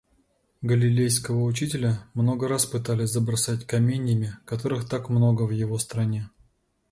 Галилейского учителя много раз пытались забросать каменьями, которых так много в его стране.